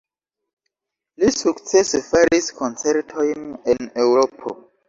Li sukcese faris koncertojn en Eŭropo.